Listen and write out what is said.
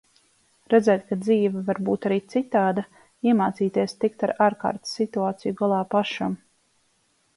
Redzēt, ka dzīve var būt arī citāda, iemācīties tikt ar ārkārtas situāciju galā pašam.